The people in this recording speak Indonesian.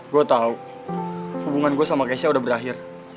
gue tau hubungan gue sama keisha udah berakhir